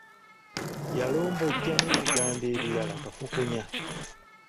Yalombojja n'ebigambo ebirala kafukunya.